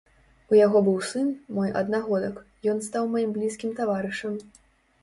У яго быў сын, мой аднагодак, ён стаў маім блізкім таварышам.